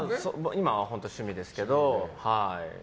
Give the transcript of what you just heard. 今は本当、趣味ですけど。